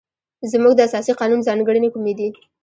زموږ د اساسي قانون ځانګړنې کومې دي؟